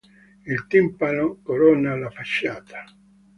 Il timpano corona la facciata.